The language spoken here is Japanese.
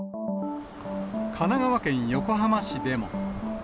神奈川県横浜市でも。